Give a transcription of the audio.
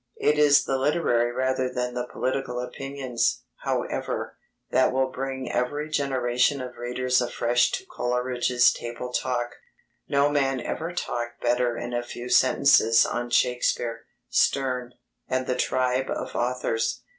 It is the literary rather than the political opinions, however, that will bring every generation of readers afresh to Coleridge's Table Talk. No man ever talked better in a few sentences on Shakespeare, Sterne, and the tribe of authors.